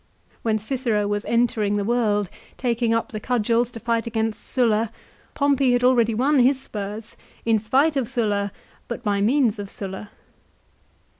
When Cicero was entering the world, taking up the cudgels to fight against Sulla, Pompey had already won his spurs, in spite of Sulla but by means of Sulla.